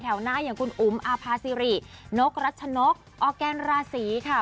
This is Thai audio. หน้าอย่างคุณอุ๋มอาภาษิรินกรัชนกออร์แกนราศีค่ะ